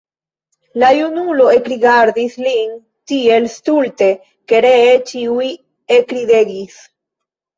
La junulo ekrigardis lin tiel stulte, ke ree ĉiuj ekridegis.